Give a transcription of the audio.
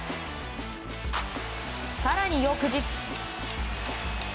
更に翌日。